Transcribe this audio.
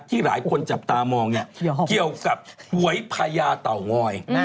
ที่หลายคนจับตามองเขียวกับหวยพญาเต่าง้อย